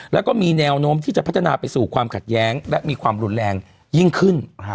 แล้วก็มีแนวโน้มที่จะพัฒนาไปสู่ความขัดแย้งและมีความรุนแรงยิ่งขึ้น